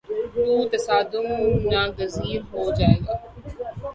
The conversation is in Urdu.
تو تصادم ناگزیر ہو جائے گا۔